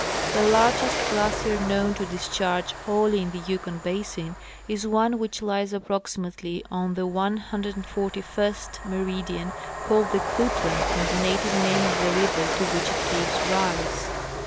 The largest glacier known to discharge wholly in the Yukon basin is one which lies approximately on the 141st meridian, called the Klutlan from the native name of the river to which it gives rise.